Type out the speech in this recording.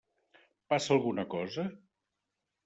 Passa alguna cosa?